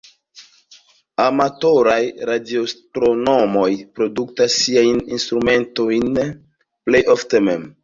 Amatoraj-Radioastronomoj produktas siajn instrumentojn plej ofte mem.